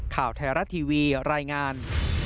ข่าวไทยรัฐทีวีรายงาน